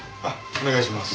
お願いします。